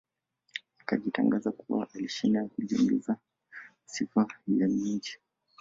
Akajitangaza kuwa alishinda na kujiongezea sifa ya nyingi